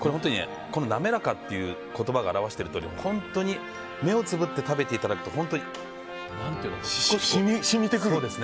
滑らかという言葉が表わしているとおり本当に目をつぶって食べていただくと本当に染みてくる。